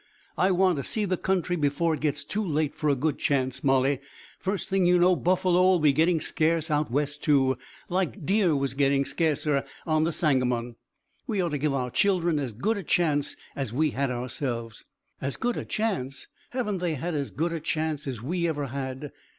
I want to see the country before it gets too late for a good chance, Molly. First thing you know buffalo'll be getting scarce out West, too, like deer was getting scarcer on the Sangamon. We ought to give our children as good a chance as we had ourselves." "As good a chance! Haven't they had as good a chance as we ever had?